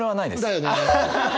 だよね！